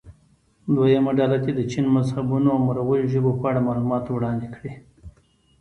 دویمه ډله دې د چین مذهبونو او مروجو ژبو په اړه معلومات وړاندې کړي.